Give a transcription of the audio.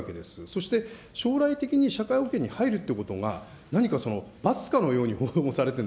そして、将来的に社会保険に入るということが、何かその罰かのように報道されている。